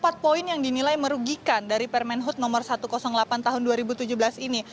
ada empat poin yang dinilai merugikan dari permen hub nomor satu ratus delapan tahun dua ribu tujuh belas ini